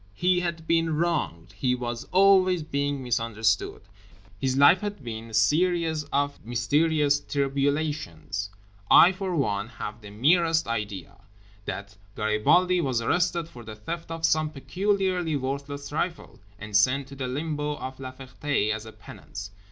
He had been wronged. He was always being misunderstood. His life had been a series of mysterious tribulations. I for one have the merest idea that Garibaldi was arrested for the theft of some peculiarly worthless trifle, and sent to the Limbo of La Ferté as a penance.